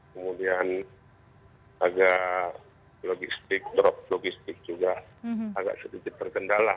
kemudian agak logistik drop logistik juga agak sedikit terkendala